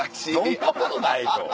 そんなことないでしょ。